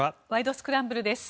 スクランブル」です。